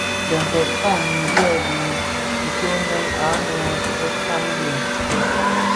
Bintèd tanin byèbi tyonèn anëbekan lè.